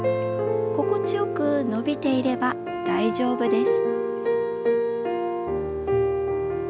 心地よく伸びていれば大丈夫です。